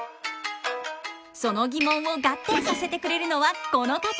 その疑問を合点させてくれるのはこの方！